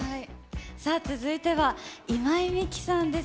続いては、今井美樹さんです。